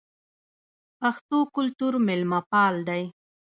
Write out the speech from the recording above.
پښتو کلتور میلمه پال دی